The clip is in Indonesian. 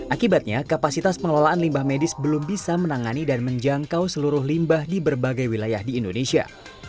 akibatnya kapasitas pengelolaan limbah medis belum bisa menangani dan menjangkau seluruh limbah di berbagai wilayah di indonesia